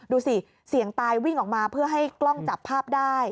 ดูสิเสี่ยงตายวิ่งออกมาเพื่อให้กล้องจับภาพได้